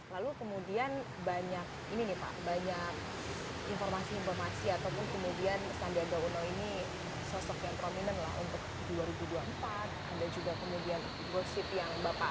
lalu kemudian banyak ini nih pak banyak informasi informasi